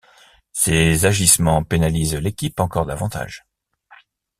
Ces agissements pénalisent l'équipe encore davantage.